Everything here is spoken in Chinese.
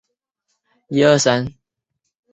中国通商银行的第二任中方总经理。